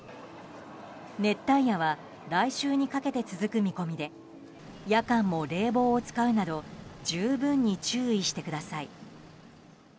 熱帯夜は来週にかけて続く見込みで夜間も冷房を使うなど十分に注意してください。